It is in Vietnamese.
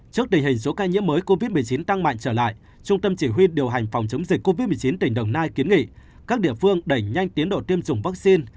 trước tình hình số ca nhiễm mới covid một mươi chín tăng mạnh trở lại trung tâm chỉ huy điều hành phòng chống dịch covid một mươi chín tỉnh đồng nai kiến nghị các địa phương đẩy nhanh tiến độ tiêm chủng vaccine